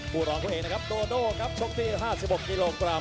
รองตัวเองนะครับโดโดครับชกที่๕๖กิโลกรัม